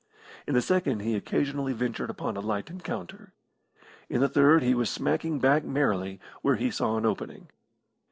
In the second he occasionally ventured upon a light counter. In the third he was smacking back merrily where he saw an opening.